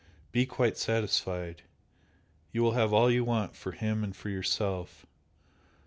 Be quite satisfied! You will have all you want for him and for yourself.